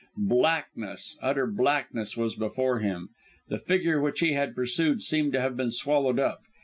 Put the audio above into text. Blackness, utter blackness, was before him. The figure which he had pursued seemed to have been swallowed up.